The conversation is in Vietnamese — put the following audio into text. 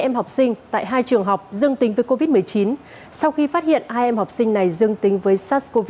em học sinh tại hai trường học dương tính với covid một mươi chín sau khi phát hiện hai em học sinh này dương tính với sars cov hai